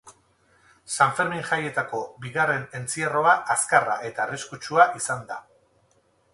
Sanfermin jaietako bigarren entzierroa azkarra eta arriskutsua izan da.